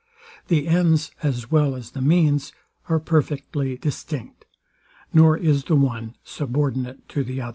The ends, as well as the means, are perfectly distinct; nor is the one subordinate to the other.